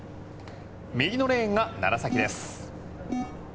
右のレーンが楢崎です。